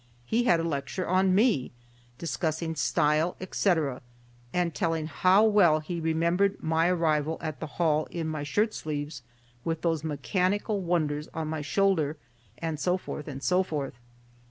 He had a lecture on me, discussing style, etcetera, and telling how well he remembered my arrival at the Hall in my shirt sleeves with those mechanical wonders on my shoulder, and so forth, and so forth.